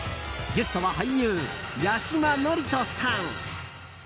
ゲストは俳優・八嶋智人さん。